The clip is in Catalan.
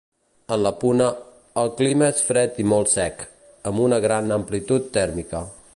En la Puna, el clima és fred i molt sec, amb una gran amplitud tèrmica.